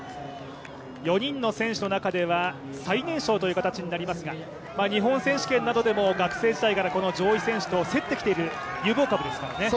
４人の選手の中では、最年少という形になりますが日本選手権などでも学生選手の中でも、競ってきている有望選手ですから。